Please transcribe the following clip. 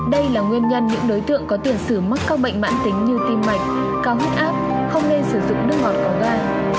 đây là nguyên nhân những đối tượng có tiền sử mắc các bệnh mãn tính như tim mạch cao huyết áp không nên sử dụng nước ngọt của ga